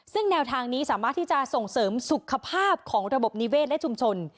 ซึ่งแนวทางนี้สามารถที่จะส่งเสริมสุขภาพของระบบนิเวศและชุมชน